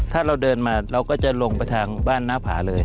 ถ้าเราเดินมาเราก็จะลงไปทางบ้านหน้าผาเลย